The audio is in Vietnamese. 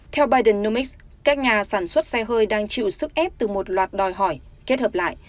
theo biden nomix các nhà sản xuất xe hơi đang chịu sức ép từ một loạt đòi hỏi kết hợp lại